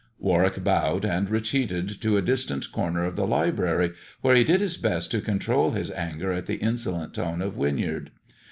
Warwick bowed and retreated to a distant corner of the library, where he did his best to control his anger at the insolent tone of Winyard.